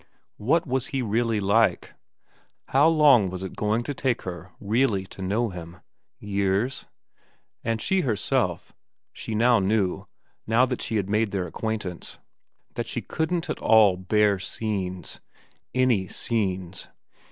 What was he really like ? How long was it going to take her really to know him ? Years ? And she herself, she now knew, now that she had made their acquaintance, that she couldn't at all bear scenes. Any scenes.